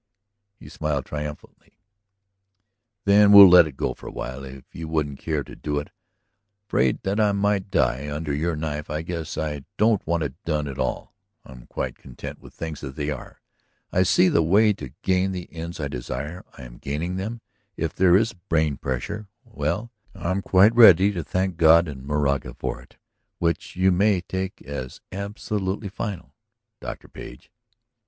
He smiled triumphantly. "Then we'll let it go for a while. If you wouldn't care to do it, afraid that I might die under your knife, I guess I don't want it done at all. I am quite content with things as they are. I see the way to gain the ends I desire; I am gaining them; if there is a brain pressure, well, I'm quite ready to thank God and Moraga for it! Which you may take as absolutely final, Dr. Page!"